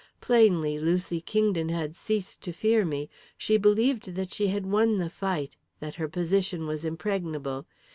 Plainly, Lucy Kingdon had ceased to fear me. She believed that she had won the fight, that her position was impregnable.